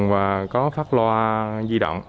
và có phát loa di động